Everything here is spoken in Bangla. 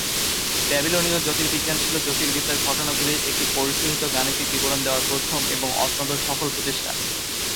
ব্যাবিলনীয় জ্যোতির্বিজ্ঞান ছিল "জ্যোতির্বিদ্যার ঘটনাগুলির একটি পরিশোধিত গাণিতিক বিবরণ দেওয়ার প্রথম এবং অত্যন্ত সফল প্রচেষ্টা।"